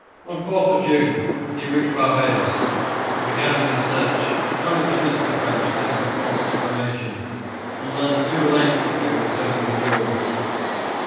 On 4 June he reached Barbadoes, and began his search, only to miss the French, thanks to false information, and learn too late that they were returning to Europe.